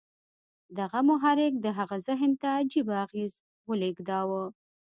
دغه محرک د هغه ذهن ته عجيبه اغېز ولېږداوه.